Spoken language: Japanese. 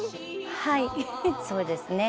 はいそうですね。